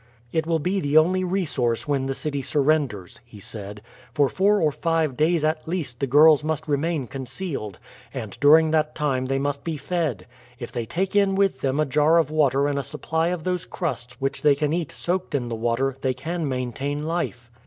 "It will be the only resource when the city surrenders," he said. "For four or five days at least the girls must remain concealed, and during that time they must be fed. If they take in with them a jar of water and a supply of those crusts which they can eat soaked in the water, they can maintain life."